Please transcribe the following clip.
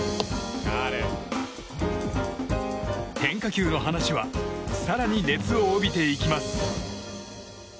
変化球の話は更に熱を帯びていきます。